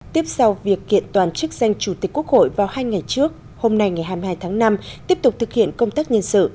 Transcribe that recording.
tiếp sau việc kiện toàn chức danh chủ tịch quốc hội vào hai ngày trước hôm nay ngày hai mươi hai tháng năm tiếp tục thực hiện công tác nhân sự